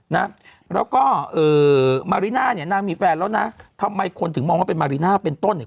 นะแล้วก็เอ่อมาริน่าเนี่ยนางมีแฟนแล้วนะทำไมคนถึงมองว่าเป็นมาริน่าเป็นต้นเนี่ย